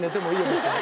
別に。